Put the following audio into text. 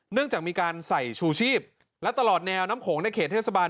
จากมีการใส่ชูชีพและตลอดแนวน้ำโขงในเขตเทศบาล